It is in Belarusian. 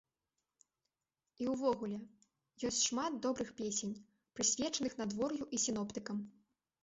І ўвогуле, ёсць шмат добрых песень, прысвечаных надвор'ю і сіноптыкам.